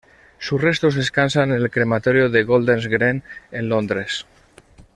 Sus restos descansan en el Crematorio de Golders Green en Londres.